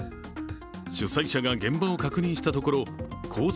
主催者が現場を確認したところ、コース